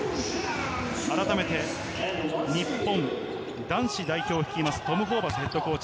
改めて、日本男子代表を率いますトム・ホーバスＨＣ。